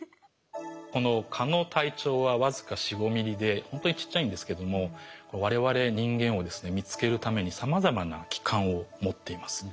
この蚊の体長は僅か４５ｍｍでほんとにちっちゃいんですけどもわれわれ人間をですね見つけるためにさまざまな器官を持っています。